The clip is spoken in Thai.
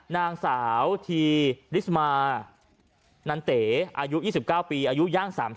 นางสาวทีริสมานันเต๋อายุ๒๙ปีอายุย่าง๓๐